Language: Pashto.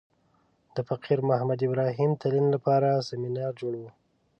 د فقیر محمد ابراهیم تلین لپاره سمینار جوړ و.